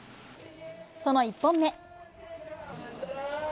その１本目。